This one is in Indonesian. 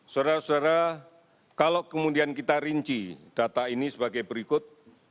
saudara saudara kalau kemudian kita rinci data ini sebagai berikut